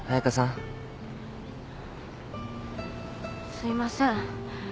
すいません。